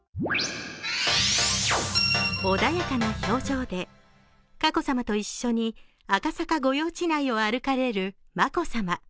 穏やかな表情で佳子さまと一緒に赤坂御用地内を歩かれる眞子さま。